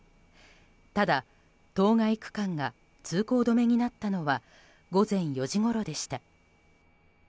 ただ、当該区間が通行止めになったのは午前４時ごろでした。